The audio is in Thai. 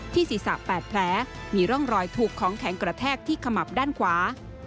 ศีรษะ๘แผลมีร่องรอยถูกของแข็งกระแทกที่ขมับด้านขวา